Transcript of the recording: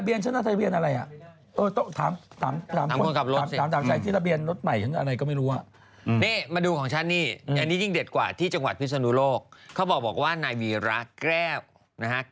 บ้านถลกถึงขนาดนี้เลยบ้านมั้ยใหญ่มากบ้านถึง๒๒นิ้วแต่พอมาวัดอีกวันนึงผลปรากฎว่าบ้านไปถึง๒๗นิ้ว